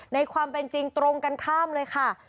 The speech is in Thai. ในความเป็นจริงตรงกันข้ามเลยค่ะ